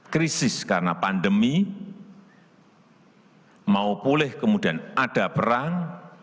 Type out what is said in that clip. krisis karena pandemi mau pulih kemudian ada perang